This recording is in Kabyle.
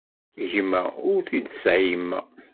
Gma ur d-tesɛi yemma.